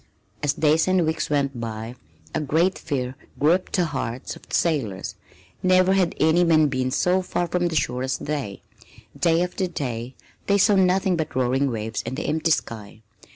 As days and weeks went by a great fear gripped the hearts of the sailors. Never had any men been so far from shore as they. Day after day they saw nothing but roaring waves and the empty sky.